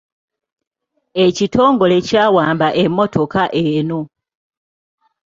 Ekitongole kyawamba emmotoka eno.